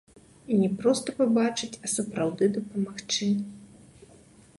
І не проста пабачыць, а сапраўды дапамагчы.